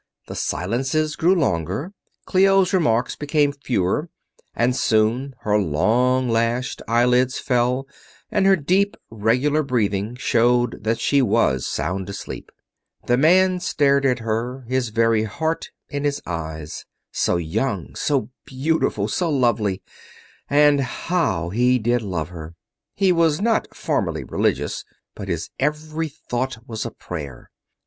The silences grew longer, Clio's remarks became fewer, and soon her long lashed eyelids fell and her deep, regular breathing showed that she was sound asleep. The man stared at her, his very heart in his eyes. So young, so beautiful, so lovely and how he did love her! He was not formally religious, but his every thought was a prayer.